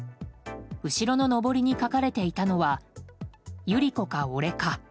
後ろののぼりに書かれていたのは「百合子か、俺か」。